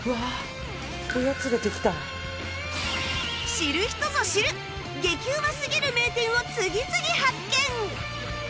知る人ぞ知る激うますぎる名店を次々発見！